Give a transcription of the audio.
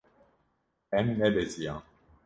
Em nebeziyan.